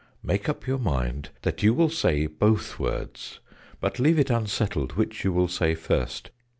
Make up your mind that you will say both words, but leave it unsettled which you will say first.